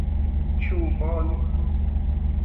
Ĉu bone?